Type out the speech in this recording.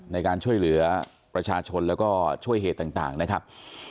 ในการช่วยเหลือประชาชนแล้วก็ช่วยเหตุต่างนะครับ